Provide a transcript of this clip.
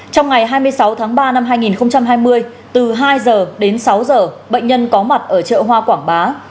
trong ngày hai mươi sáu tháng ba năm hai nghìn hai mươi từ hai giờ đến sáu giờ bệnh nhân có mặt ở chợ hoa quảng bá